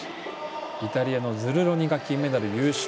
イタリアのズルロニが金メダル優勝。